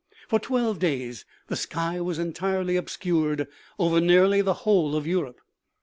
For twelve days the sky was entirely obscured over nearly the whole of Europe.